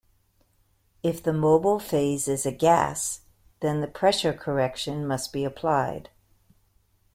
If the mobile phase is a gas, then the pressure correction must be applied.